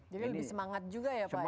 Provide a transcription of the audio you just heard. jadi lebih semangat juga ya pak ya